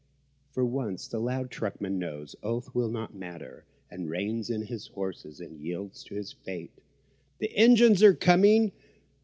For once the loud truckman knows oaths will not matter And reins in his horses and yields to his fate. The engines are coming!